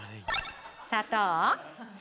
砂糖。